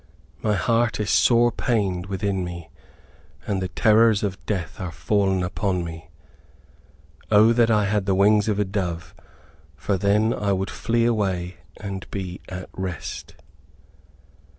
My heart is sore pained within me, and the terrors of death are fallen upon me. Oh that I had the wings of a dove, for then would I flee away, and be at rest."